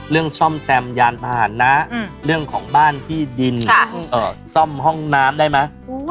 ซ่อมแซมยานพาหนะเรื่องของบ้านที่ดินซ่อมห้องน้ำได้ไหม